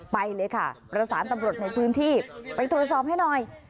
ไปเลยค่ะประสานตำรวจในพื้นที่ไปตรวจสอบให้หน่อย